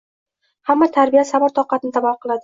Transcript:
Hamma tarbiya sabr-toqatni talab qiladi